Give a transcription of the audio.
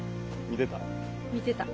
見てた？